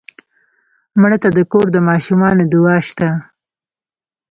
مړه ته د کور د ماشومانو دعا شته